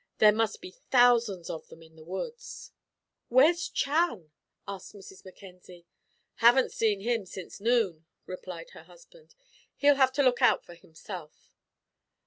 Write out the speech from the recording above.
There must be thousands of them in the woods." "Where's Chan?" asked Mrs. Mackenzie. "Haven't seen him since noon," replied her husband. "He'll have to look out for himself."